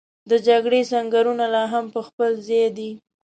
د جګړې سنګرونه لا هم په خپل ځای دي.